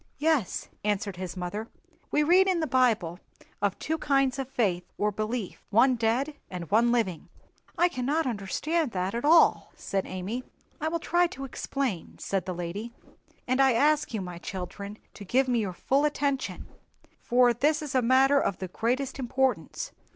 "Yes," answered his mother; "we read in the Bible of two kinds of faith or belief—one dead and one living." "I cannot understand that at all," said Amy. "I will try to explain," said the lady "and I ask you, my children, to give me your full attention, for this is a matter of the greatest importance.